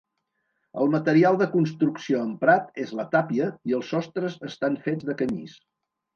El material de construcció emprat és la tàpia i els sostres estan fets de canyís.